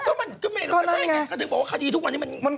ก็มันก็ไม่รู้ก็ใช่ไงก็ถึงบอกว่าคดีทุกวันนี้มัน